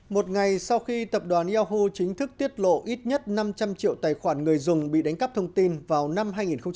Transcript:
một ngày sau khi tập đoàn yoho chính thức tiết lộ ít nhất năm trăm linh triệu tài khoản người dùng bị đánh cắp thông tin vào năm hai nghìn một mươi bảy